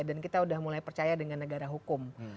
dan kita sudah mulai percaya dengan negara hukum